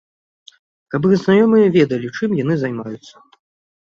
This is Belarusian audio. Каб іх знаёмыя ведалі, чым яны займаюцца.